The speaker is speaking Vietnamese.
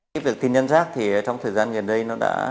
với việc tin nhắn rác trong thời gian gần đây